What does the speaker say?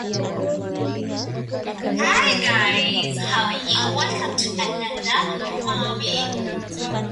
Rais Biden amemuambia Kansela Scholz